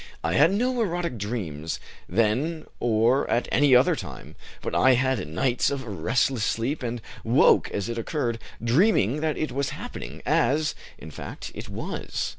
I had no erotic dreams, then or at any other time, but I had nights of restless sleep, and woke as it occurred, dreaming that it was happening, as, in fact, it was.